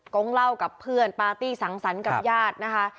เล่ากับเพื่อนปาร์ตี้สังสรรค์กับญาตินะคะ